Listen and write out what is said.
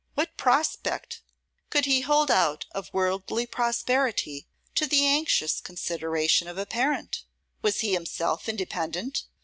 What prospect could he hold out of worldly prosperity to the anxious consideration of a parent? Was he himself independent?